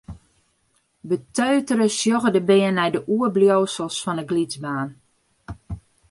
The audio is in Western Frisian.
Beteutere sjogge de bern nei de oerbliuwsels fan de glydbaan.